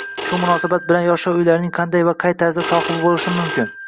Shu munosabat bilan “Yoshlar uylari”ning qanday va qay tarzda sohibi bo‘lishim mumkin?